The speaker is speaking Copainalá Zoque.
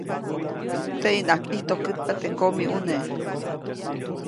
Teʼyinaʼajk ʼijtojkätpa teʼ ŋgomiʼuneʼ.